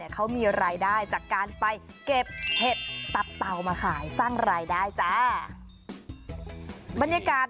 เค้ามีอะไรได้จากการไปเก็บเห็ดตับเตามาขายสร้างอะไรได้จะบรรยากาศ